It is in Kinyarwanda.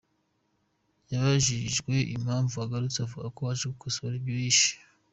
Yabajijwe impamvu agarutse avuga ko aje gukosora ibyo yishe.